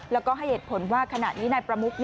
แล้วก็ให้เหตุผลว่าขณะนี้นายประมุก